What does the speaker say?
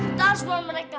kita harus mengolah mereka